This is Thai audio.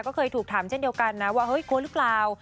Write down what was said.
ก็เคยถูกถามเช่นเดียวกันนะว่าเฮ้ยกลัวหรือเปล่า